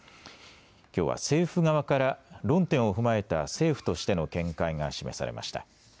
きょうは政府側から論点を踏まえた政府としての見解が示されました。